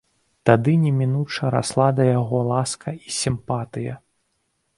Тады немінуча расла да яго ласка і сімпатыя.